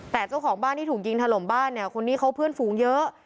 แต่เจ้าของบ้านที่ถูกยิงถล่มบ้านเนี่ยคนนี้เขาเพื่อนฝูงเยอะ